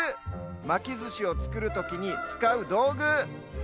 まきずしをつくるときにつかうどうぐ。